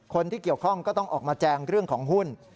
คนที่เกี่ยวข้องก็ต้องออกมาแจงเรื่องของหุ้น